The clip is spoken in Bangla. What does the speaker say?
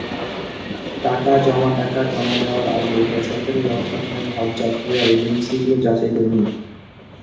টাকা জমাটাকা জমা দেওয়ার আগে বেসরকারি ব্যবস্থাপনার হজযাত্রীরা এজেন্সিগুলো যাচাই করে নিন।